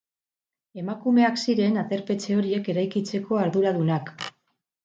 Emakumeak ziren aterpetxe horiek eraikitzeko arduradunak.